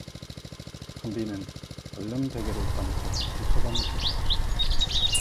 선비는 얼른 베개를 꺼내서 유서방을 주었다.